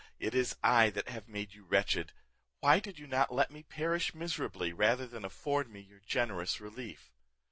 it is I that have made you wretched! why did you not let me perish miserably, rather than afford me your generous relief?